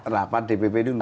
rapat dpp dulu